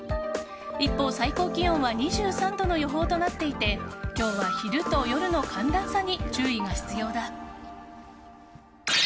一方、最高気温は２３度の予報となっていて今日は昼と夜の寒暖差に注意が必要だ。